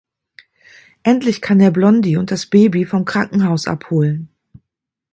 Endlich kann er Blondie und das Baby vom Krankenhaus abholen.